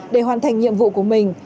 để hoàn thành nhiệm vụ của mình